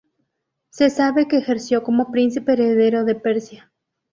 Se sabe que ejerció como príncipe heredero de Persia.